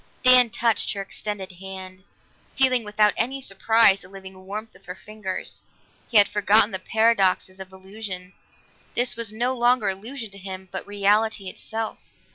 Dan touched her extended hand, feeling without any surprise the living warmth of her fingers. He had forgotten the paradoxes of illusion; this was no longer illusion to him, but reality itself.